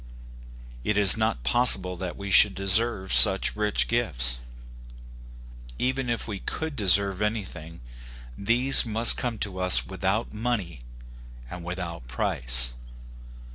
It is not possible that we should deserve such rich gifts. Even if we could deserve anything, these must come to us without money and without price.